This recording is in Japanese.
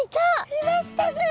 いましたね！